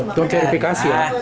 itu verifikasi ya